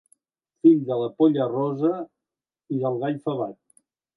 Fill de la polla rosa i del gall favat.